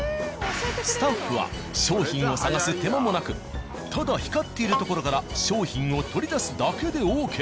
スタッフは商品を探す手間もなくただ光っているところから商品を取り出すだけでＯＫ。